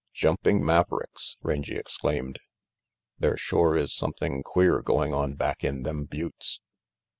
'' Jumping mavericks !'' Rangy exclaimed. " There shore is something queer going on back in them buttes."